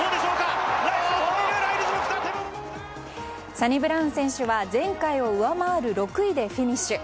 サニブラウン選手は前回を上回る６位でフィニッシュ。